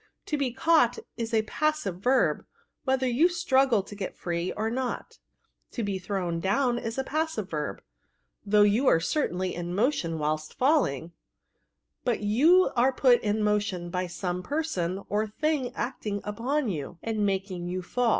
To be camght is a passive verb, whether you struggle to get free or not: to be thrown down is a passive verb, though you are certainly in motion whilst falling ; but you axe put in motion by some person or thing acting upon you, and making you faU."